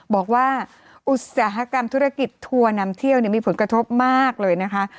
อุตสาหกรรมธุรกิจทัวร์นำเที่ยวมีผลกระทบมากเลยนะคะ